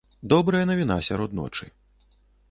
Добрая навіна сярод ночы.